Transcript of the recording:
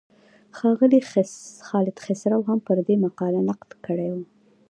ښاغلي خالد خسرو هم پر دې مقاله نقد کړی و.